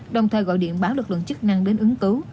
đồng thời gọi điện báo lực lượng chức năng đến ứng cứu